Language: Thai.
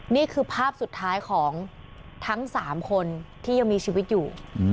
นี่คือภาพสุดท้ายของทั้ง๓คนที่ยังมีชีวิตอยู่